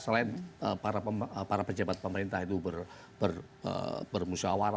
selain para pejabat pemerintah itu bermusyawara